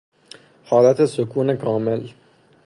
حالت سکون کامل